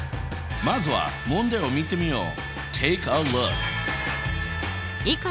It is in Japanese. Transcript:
まずは問題を見てみよう。